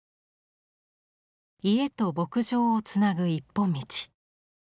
家と牧場をつなぐ一本道。